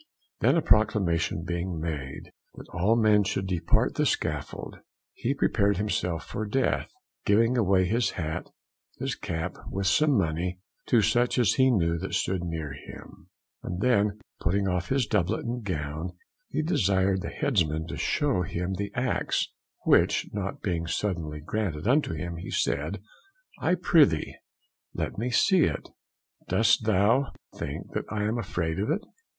Then a proclamation being made, that all men should depart the scaffold, he prepared himself for death: giving away his hat, his cap, with some money, to such as he knew that stood near him. And then putting off his doublet and gown, he desired the Headsman to shew him the Ax; which not being suddenly granted unto him, he said, I prithee let me see it, dost thou think that I am afraid of it?